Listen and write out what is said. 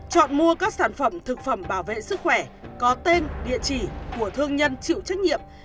chọn mua các sản phẩm thực phẩm bảo vệ sức khỏe có tên địa chỉ của thương nhân chịu trách nhiệm